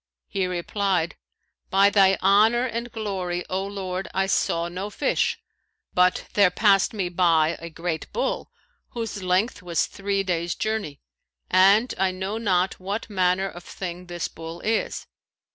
He replied, 'By Thy honour and glory, O Lord, I saw no fish; but there passed me by a great bull, whose length was three days' journey, and I know not what manner of thing this bull is.'